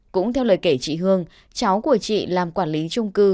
cũng theo lời kể chị hương cháu của chị làm quản lý trung cư